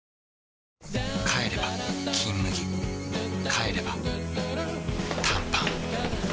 帰れば「金麦」帰れば短パン